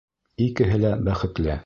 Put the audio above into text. Икеһе лә бәхетле.